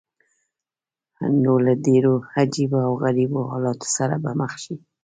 نو له ډېرو عجیبه او غریبو حالاتو سره به مخ شې.